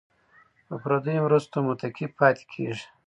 په پردیو مرستو متکي پاتې کیږي.